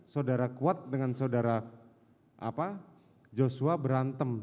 saudara kuat dengan saudara joshua berantem